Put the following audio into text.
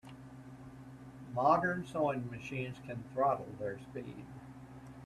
Modern sewing machines can throttle their speed.